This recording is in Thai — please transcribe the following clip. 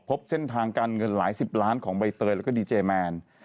พบเส้นทางการเงินหลายสิบล้านของใบเตยแล้วก็ดีเจแมน